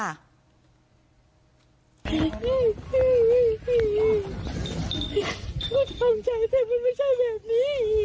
ทำใจแต่มันไม่ใช่แบบนี้